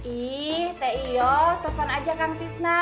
ih teh iyo telfon aja kang tisna